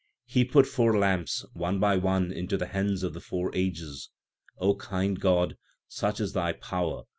He put four lamps 3 one by one into the hands of the four ages. kind God, such is Thy power.